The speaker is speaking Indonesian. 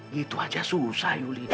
gitu saja susah yuli